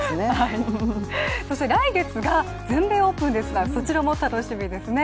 そして来月が全米オープンですからそちらも楽しみですね。